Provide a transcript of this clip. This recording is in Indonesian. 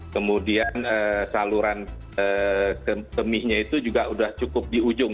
kemudian saluran kemihnya itu juga sudah cukup di ujung